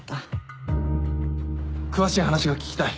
詳しい話が聞きたい。